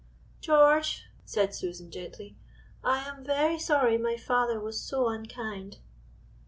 "George," said Susan gently, "I am very sorry my father was so unkind."